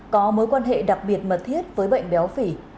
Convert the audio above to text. có mối quan hệ đặc biệt mật thiết với bệnh béo phỉ